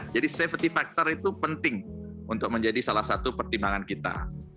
jadi safety factor itu penting untuk menjadi salah satu pertimbangan kita